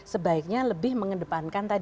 sebaiknya lebih mengedepankan